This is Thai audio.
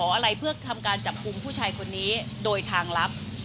อะไรเพื่อทำการจับกลุ่มผู้ชายคนนี้โดยทางลับ